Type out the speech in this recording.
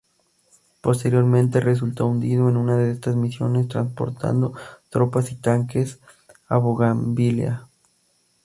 Posteriormente, resultó hundido en una de estas misiones, transportando tropas y tanques a Bougainville.